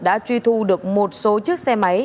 đã truy thu được một số chiếc xe máy